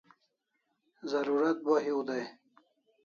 Zarurat bo hiu dai